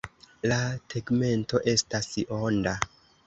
La tegmento estas onda.